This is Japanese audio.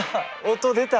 音出た。